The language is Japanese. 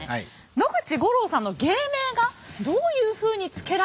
野口五郎さんの芸名がどういうふうに付けられたのか。